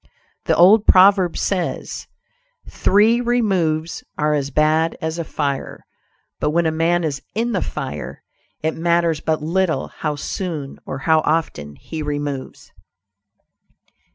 The old proverb says, "Three removes are as bad as a fire," but when a man is in the fire, it matters but little how soon or how often he removes.